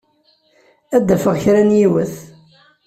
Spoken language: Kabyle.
Ad d-afeɣ kra n yiwet.